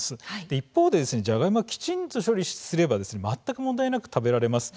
一方でジャガイモはきちんと処理すれば全く問題なく食べられます。